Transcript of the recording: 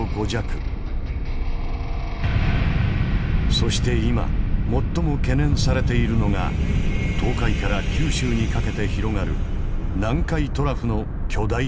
そして今最も懸念されているのが東海から九州にかけて広がる南海トラフの巨大地震です。